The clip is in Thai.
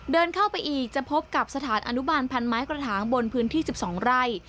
เดินเข้าไปอีกจะพบกับสถานอนุบาลพันไม้กระถางบนพื้นที่๑๒ไร่